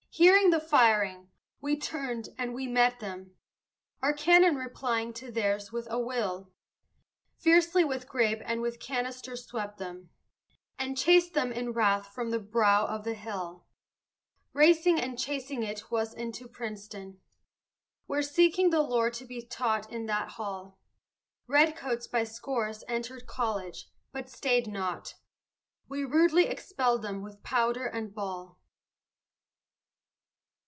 Hearing the firing, we turned and we met them, Our cannon replying to theirs with a will; Fiercely with grape and with canister swept them, And chased them in wrath from the brow of the hill. Racing and chasing it was into Princeton, Where, seeking the lore to be taught in that hall, Redcoats by scores entered college, but stayed not We rudely expelled them with powder and ball.